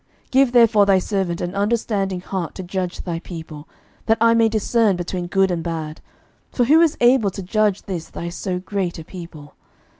11:003:009 Give therefore thy servant an understanding heart to judge thy people, that I may discern between good and bad: for who is able to judge this thy so great a people?